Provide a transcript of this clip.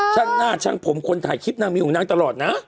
ชั้นหน้าชั้นผมคุณถ่ายคิดนานมีของนางตลอดนะ